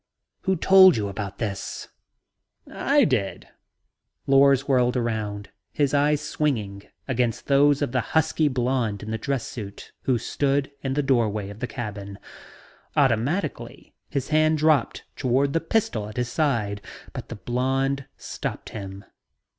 Who told you about this?" "I did." Lors whirled about, his eyes swinging against those of the husky blond in the dress suit who stood in the doorway of the cabin. Automatically, his hand dropped toward the pistol at his side, but the blond stopped him.